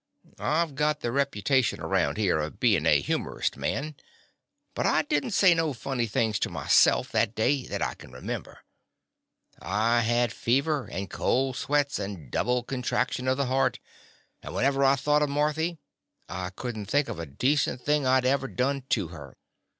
I \t got the reputation around here of being a humorist man, but I did n't say no funny sayings to myself that day, that I can remember. I had fever, and cold sweats, and double contrac tion of the heart, and whenever I thought of Marthy, I could n't think of a decent thing that I 'd ever done to her.